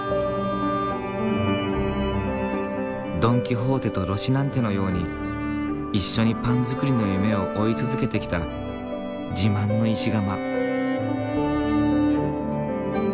ドン・キホーテとロシナンテのように一緒にパン作りの夢を追い続けてきた自慢の石窯。